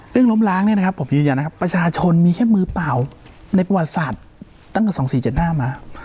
ล้มล้างเนี่ยนะครับผมยืนยันนะครับประชาชนมีแค่มือเปล่าในประวัติศาสตร์ตั้งแต่๒๔๗๕มา